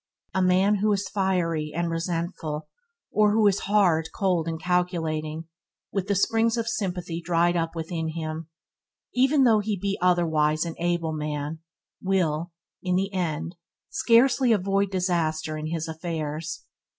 A man who is fiery and resentful, or who is hard, cold and calculating, with the springs of sympathy dried up within him, even though he be otherwise an able man, will, in the end scarcely avoid disaster in his affairs.